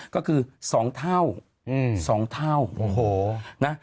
ก็คือ๒เท่า